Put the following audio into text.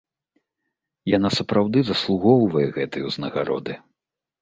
Яна сапраўды заслугоўвае гэтай узнагароды.